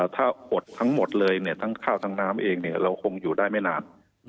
ถ้าอดทั้งหมดเลยทั้งข้าวทั้งน้ำเองเราคงอยู่ได้ไม่นาน